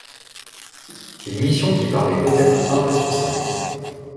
Une mission qui paraît peut-être un peu trop simple.